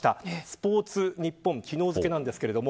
スポーツニッポンの昨日付です。